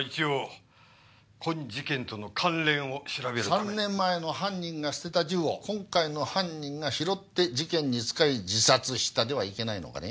３年前の犯人が捨てた銃を今回の犯人が拾って事件に使い自殺したではいけないのかね？